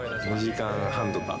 ２時間半とか。